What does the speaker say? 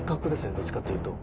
どっちかっていうと。